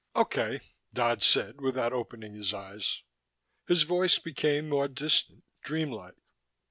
"Okay," Dodd said without opening his eyes. His voice became more distant, dreamlike.